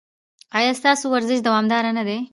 ایا ستاسو ورزش دوامدار نه دی؟